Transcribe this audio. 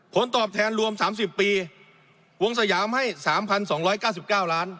ผลตอบแทนรวม๓๐ปีวงสยามให้๓๒๙๙ล้าน